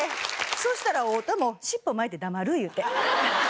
そしたら太田も尻尾巻いて黙るいうて。